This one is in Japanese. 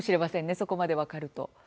そこまで分かると。